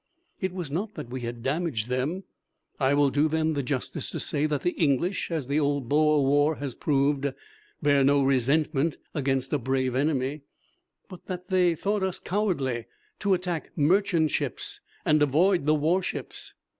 It was not that we had damaged them I will do them the justice to say that the English, as the old Boer War has proved, bear no resentment against a brave enemy but that they thought us cowardly to attack merchant ships and avoid the warships.